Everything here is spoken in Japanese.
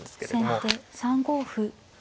先手３五歩。